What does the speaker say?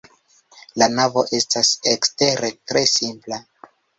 La navo estas ekstere tre simpla.